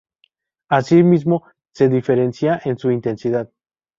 Asimismo, se diferencian en su intensidad.